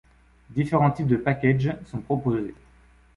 Différents types de packages sont proposés.